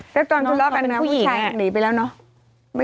ฉันตอนคอมเวิร์ดอันนั้นผู้หญิงอ่ะหนีไปแล้วเนอะ